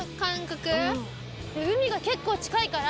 海が結構近いから。